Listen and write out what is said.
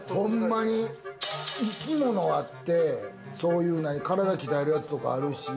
生き物あって、そういう体鍛えるやつとかあるし。